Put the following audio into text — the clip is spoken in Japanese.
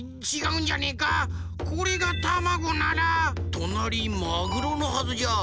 となりマグロのはずじゃ。